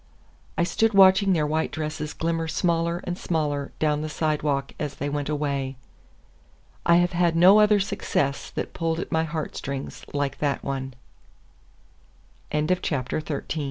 I stood watching their white dresses glimmer smaller and smaller down the sidewalk as they went away. I have had no other success that pulled at my heartstrings like that one. XIV THE day after Comme